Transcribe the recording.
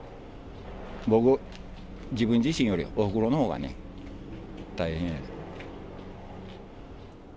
僕、自分自身より、おふくろのほうがね、大変やね。